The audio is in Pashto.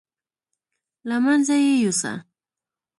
له منځه یې یوسه.